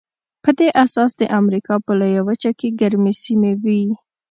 په دې اساس د امریکا په لویه وچه کې ګرمې سیمې وې.